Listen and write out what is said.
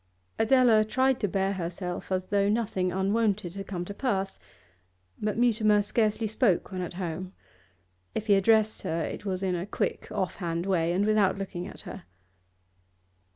Adela tried to bear herself as though nothing unwonted had come to pass, but Mutimer scarcely spoke when at home; if he addressed her it was in a quick, off hand way, and without looking at her.